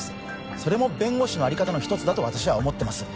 それも弁護士のあり方の一つだと私は思ってます